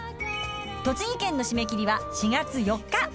栃木県の締め切りは４月４日。